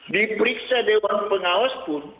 di periksa dewan pengawas pun